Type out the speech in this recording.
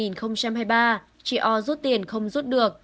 đến ngày năm tháng một mươi năm hai nghìn hai mươi ba chị o rút tiền không rút được